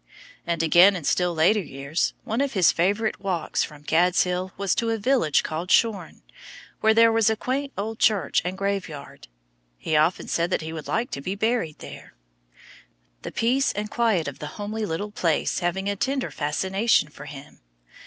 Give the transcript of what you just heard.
And again, in still later years, one of his favorite walks from "Gad's Hill" was to a village called Shorne, where there was a quaint old church and graveyard. He often said that he would like to be buried there, the peace and quiet of the homely little place having a tender fascination for him.